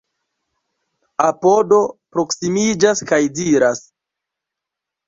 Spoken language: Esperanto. Apodo proksimiĝas kaj diras: